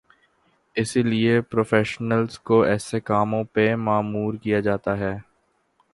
اسی لیے پروفیشنلز کو ایسے کاموں پہ مامور کیا جاتا ہے۔